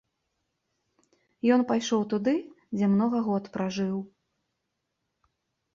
Ён пайшоў туды, дзе многа год пражыў.